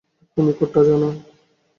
তুমি কোডটা জানো?